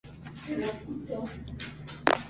Cada año se celebra un encuentro el día de San Felipe.